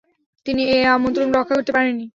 তিনি এ আমন্ত্রণ রক্ষা করতে পারেননি।